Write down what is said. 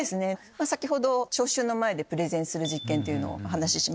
先ほど聴衆の前でプレゼンする実験のお話しましたけど